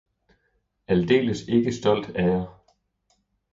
Aldeles ikke stolt er jeg!